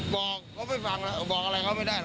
บอกเขาไม่ฟังแล้วบอกอะไรเขาไม่ได้ห